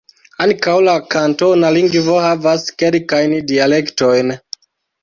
Ankaŭ la kantona lingvo havas kelkajn dialektojn.